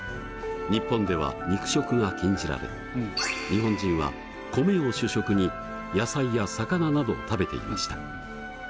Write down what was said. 日本では肉食が禁じられ日本人は米を主食に野菜や魚などを食べていました。